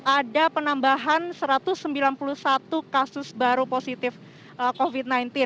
ada penambahan satu ratus sembilan puluh satu kasus baru positif covid sembilan belas